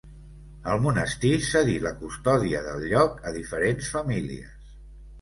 El monestir cedí la custòdia del lloc a diferents famílies.